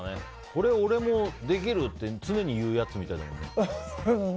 これは俺もできるって常に言うやつみたいだもんね。